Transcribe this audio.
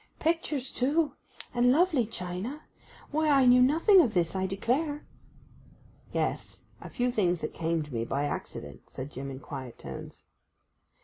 'Pictures too—and lovely china—why I knew nothing of this, I declare.' 'Yes—a few things that came to me by accident,' said Jim in quiet tones.